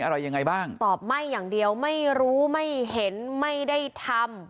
อะไรยังไงบ้างตอบไหม้อย่างเดียวไม่รู้ไม่เห็นไม่ได้ทำ